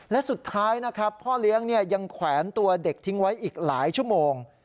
และสุดท้ายนะครับพ่อเลี้ยงยังแขวนตัวเด็กทิ้งไว้อีกหลายชั่วโมง